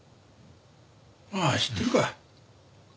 ああ知ってるか。